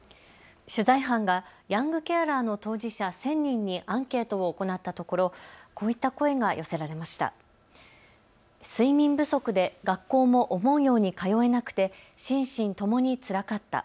取材班がヤングケアラーの当事者１０００人にアンケートを行ったところ、こういった声が寄せられました。